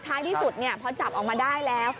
ท้ายที่สุดพอจับออกมาได้แล้ว